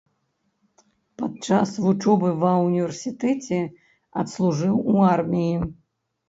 Падчас вучобы ва ўніверсітэце адслужыў у арміі.